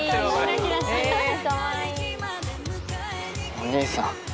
お兄さん。